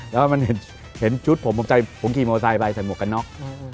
แล้วมันเห็นชุดผมขี่มอไซค์ไปใส่หมวกกันน็อก